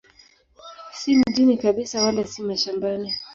Si mjini kabisa wala si mashambani.